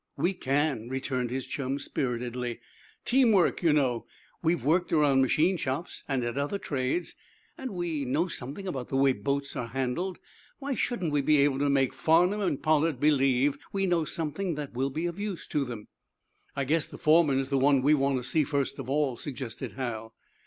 "We can," returned his chum, spiritedly. "Team work, you know. We've worked around machine shops, and at other trades, and we know something about the way boats are handled. Why shouldn't we be able to make Farnum and Pollard believe we know something that will be of use to them?" "I guess the foreman is the one we want to see, first of all," suggested Hal.